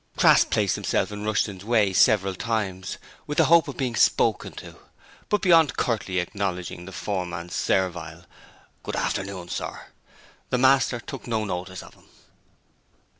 Crass placed himself in Rushton's way several times with the hope of being spoken to, but beyond curtly acknowledging the 'foreman's' servile 'Good hafternoon, sir,' the master took no notice of him.